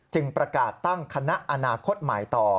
ประกาศตั้งคณะอนาคตใหม่ต่อ